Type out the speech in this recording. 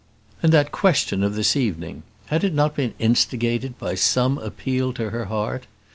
And that question of this evening; had it not been instigated by some appeal to her heart?